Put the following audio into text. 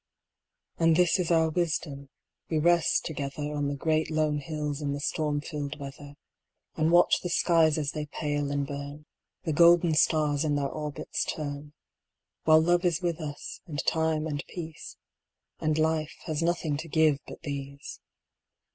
And this is our Wisdom: we rest together On the great lone hills in the storm filled weather, And watch the skies as they pale and burn, The golden stars in their orbits turn, While Love is with us, and Time and Peace, And life has nothing to give but these.